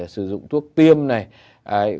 sử dụng thuốc tiêm này